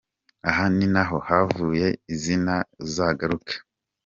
Aha ni naho havuye izina ‘Uzagaruke’.